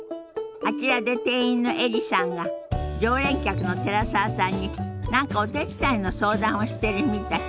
あちらで店員のエリさんが常連客の寺澤さんに何かお手伝いの相談をしてるみたい。